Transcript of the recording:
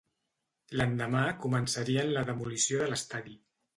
L'endemà, començarien la demolició de l'estadi.